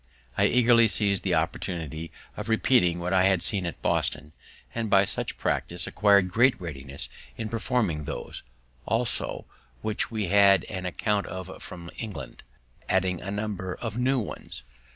I eagerly seized the opportunity of repeating what I had seen at Boston; and, by much practice, acquired great readiness in performing those, also, which we had an account of from England, adding a number of new ones.